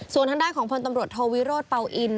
ส่วนทางด้านของพลตำรวจโทวิโรธเป่าอิน